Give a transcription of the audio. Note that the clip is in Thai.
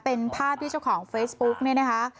เป็นภาพที่เจ้าของเฟซบุ๊กเนี่ยนะคะ